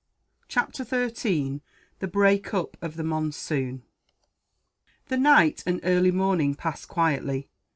Chapter 13: The Break Up Of The Monsoon. The night and early morning passed quietly.